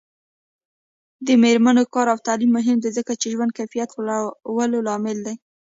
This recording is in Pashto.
د میرمنو کار او تعلیم مهم دی ځکه چې ژوند کیفیت لوړولو لامل دی.